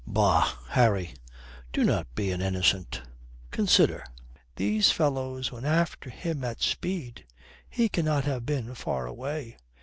Bah, Harry, do not be an innocent. Consider: these fellows went after him at speed. He cannot have been far away.